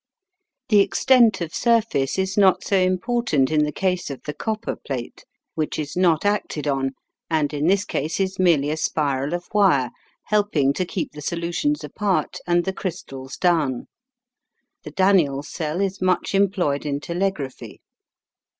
The extent of surface is not so important in the case of the copper plate, which is not acted on, and in this case is merely a spiral of wire, helping to keep the solutions apart and the crystals down. The Daniell cell is much employed in telegraphy.